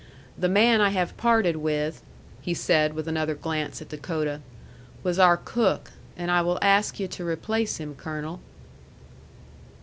The man I have parted with," he said, with another glance at Dakota, "was our cook, and I will ask yu' to replace him, Colonel."